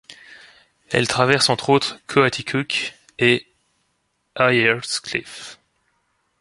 Elle traverse entre autres Coaticook et Ayer's Cliff.